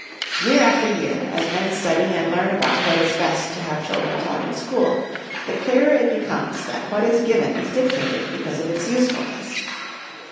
Year after year, as men study and learn about what is best to have children taught in school, the clearer it becomes that what is given is dictated because of its usefulness.